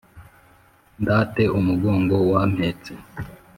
ndate mugongo wampetse